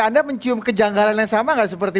anda mencium kejanggalan yang sama nggak seperti